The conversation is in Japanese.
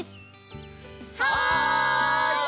はい！